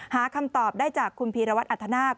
หาคำตอบได้จากคุณพีรวัตรอัธนาค